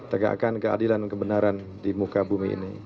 tegakkan keadilan dan kebenaran di muka bumi ini